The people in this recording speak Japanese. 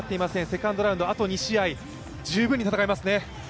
セカンドラウンドあと２試合、十分に戦えますね。